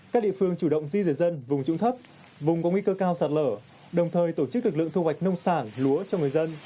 các địa phương chủ động di rời dân vùng trụng thấp vùng có nguy cơ cao sạt lở đồng thời tổ chức lực lượng thu hoạch nông sản lúa cho người dân